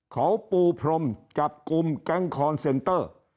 เขาปูพรมจับกลุ่มแก๊งคอนเซนเตอร์